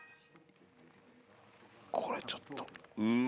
これちょっとうわあ。